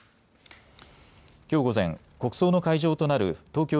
きょう午前、国葬の会場となる東京